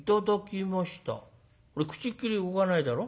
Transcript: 口っきり動かないだろ。